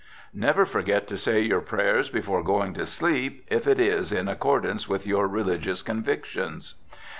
Never forget to say your prayers before going to sleep, if it is in accordance with your religious Convictions.